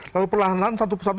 kalau perlahan lahan satu persatu